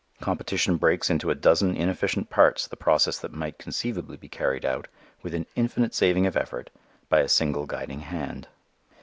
Competition breaks into a dozen inefficient parts the process that might conceivably be carried out, with an infinite saving of effort, by a single guiding hand.